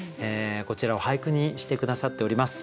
こちらを俳句にして下さっております。